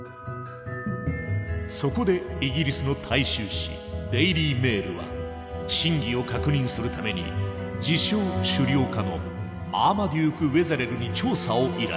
そこでイギリスの大衆紙「デイリー・メール」は真偽を確認するために自称狩猟家のマーマデューク・ウェザレルに調査を依頼。